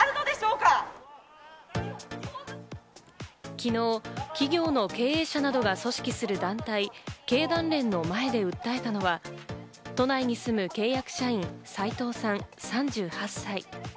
昨日、企業の経営者などが組織する団体・経団連の前で訴えたのは都内に住む契約社員・斉藤さん、３８歳。